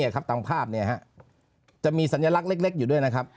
ครับตามภาพจะมีสัญลักษณ์เล็กอยู่ด้วยนะครับ